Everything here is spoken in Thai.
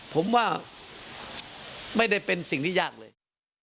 ผมว่าไม่ได้เป็นสิ่งที่ยากเลย